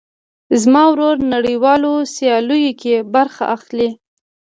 زما ورور نړيوالو سیاليو کې برخه اخلي.